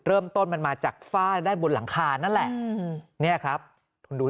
เริ่มต้นมันมาจากฝ้าด้านบนหลังคานั่นแหละเนี่ยครับคุณดู